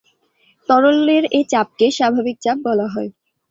তরলের এ চাপকে স্বাভাবিক চাপ বলা হয়।